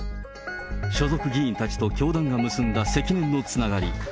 所属議員たちと教団が結んだ積年のつながり。